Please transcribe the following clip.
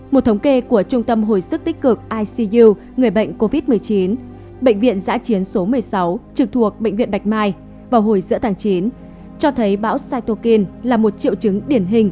một thống kê của trung tâm hồi sức tích cực icu người bệnh covid một mươi chín bệnh viện giã chiến số một mươi sáu trực thuộc bệnh viện bạch mai vào hồi giữa tháng chín cho thấy bão saitokin là một triệu chứng điển hình